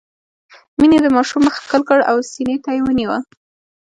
مينې د ماشوم مخ ښکل کړ او سينې ته يې ونيوه.